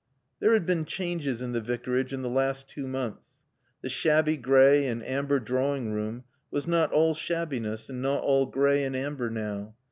There had been changes in the Vicarage in the last two months. The shabby gray and amber drawing room was not all shabbiness and not all gray and amber now.